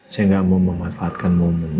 saya nggak mau memanfaatkan momen